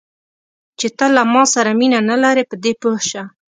چې ته له ما سره مینه نه لرې، په دې پوه شه.